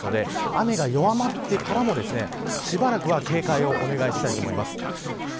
雨が弱まってからもしばらくは警戒をお願いしたいと思います。